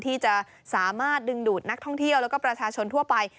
ที่จะสามารถดึงดูดนักท่องเที่ยวแล้วก็ประชาชนทั่วไป